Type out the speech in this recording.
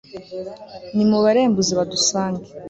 nimubarembuze badusange